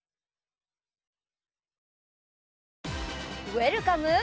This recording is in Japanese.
「ウェルカム！」